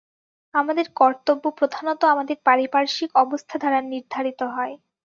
আমাদের কর্তব্য প্রধানত আমাদের পারিপার্শ্বিক অবস্থা দ্বারা নির্ধারিত হয়।